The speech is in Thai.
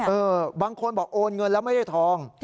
บางคนบอกโอนเงินแล้วไม่ได้ทอง